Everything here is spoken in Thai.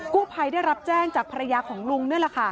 ผู้ภัยได้รับแจ้งจากภรรยาของลุงนี่แหละค่ะ